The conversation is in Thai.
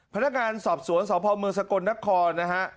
พนักงานสอบสวนสพเมืองสกลนครนะฮะ